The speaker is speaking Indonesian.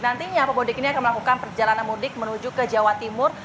nantinya pemudik ini akan melakukan perjalanan mudik menuju ke jawa timur